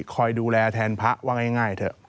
คอยดูแลแทนพระว่าง่ายเถอะ